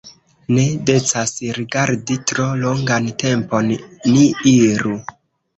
Ne decas rigardi tro longan tempon, ni iru!